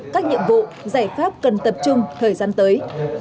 các nhiệm vụ giải pháp cần tập trung thời gian tới